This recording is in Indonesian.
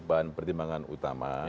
bahan pertimbangan utama